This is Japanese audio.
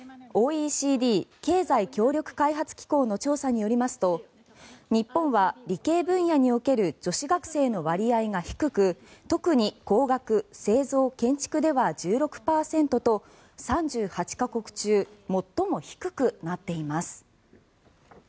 ＯＥＣＤ・経済協力開発機構の調査によりますと日本は理系分野における女子学生の割合が低く特に工学、製造、建築では１６％と３８か国中最も低くなっています。